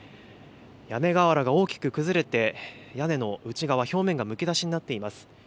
屋根瓦が大きく崩れて、屋根の内側、表面がむき出しになっています。